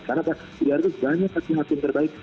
karena di daerah itu banyak hakim hakim terbaik